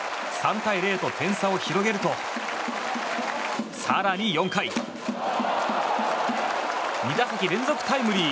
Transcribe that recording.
３対０と点差を広げると更に４回２打席連続タイムリー。